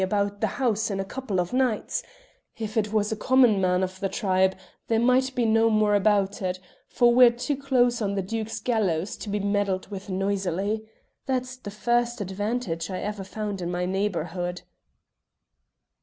about the house in a couple of nights; if it was a common man of the tribe, there might be no more about it, for we're too close on the Duke's gallows to be meddled with noisily; that's the first advantage I ever found in my neighbourhood."